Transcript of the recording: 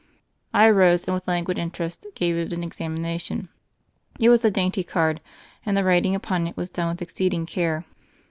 I arose and with languid interest gave it an examination. It was a dainty card, and the writing upon it was done with exceeding care.